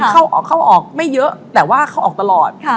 เข้าออกไม่เยอะแต่ว่าเข้าออกตลอด